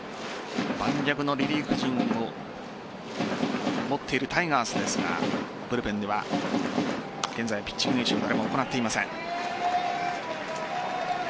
盤石のリリーフ陣を持っているタイガースですがブルペンでは現在、ピッチング練習は誰も行っていません。